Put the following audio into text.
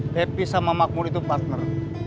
happy sama makmur itu partner